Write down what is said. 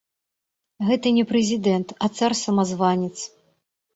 Гэта не прэзідэнт, а цар-самазванец!